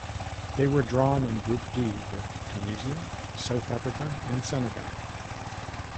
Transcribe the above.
They were drawn in Group D with Tunisia, South Africa and Senegal.